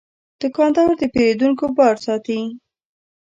دوکاندار د پیرودونکو باور ساتي.